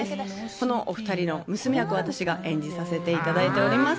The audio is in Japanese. このお二人の娘役を私が演じさせていただいてます。